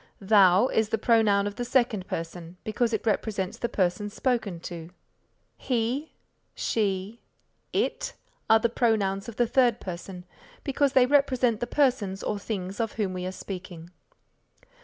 Thou is the pronoun of the second person because it represents the person spoken to. He, She, It are the pronouns of the third person because they represent the persons or things of whom we are speaking.